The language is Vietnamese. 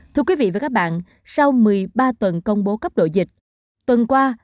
thưa quý vị và các bạn sau một mươi ba tuần công bố cấp độ dịch tuần qua